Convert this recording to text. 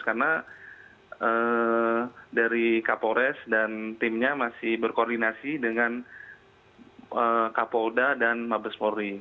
karena dari kapores dan timnya masih berkoordinasi dengan kapolda dan mabespori